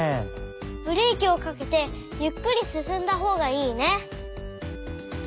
ブレーキをかけてゆっくりすすんだほうがいいね。